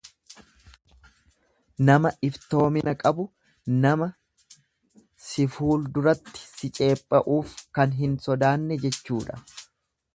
Nama iftoomina qabu, nama si fuulduratti si ceepha'uuf kan hin sodaanne jechuudha.